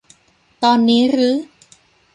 ตอนนี้รึ